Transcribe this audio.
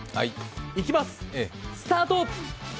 いきます、スタート！